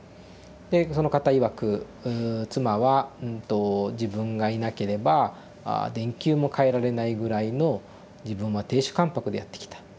でその方いわく「妻は自分がいなければ電球も替えられないぐらいの自分は亭主関白でやってきた。